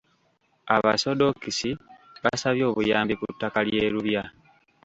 Abasoddokisi basabye obuyambi ku ttaka ly'e Lubya.